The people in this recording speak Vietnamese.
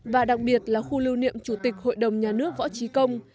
và đặc biệt là khu lưu niệm chủ tịch hội đồng nhà nước võ trí công